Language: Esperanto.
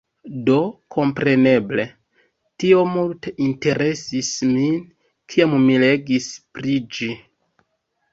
Do kompreneble, tio multe interesis min, kiam mi legis pri ĝi.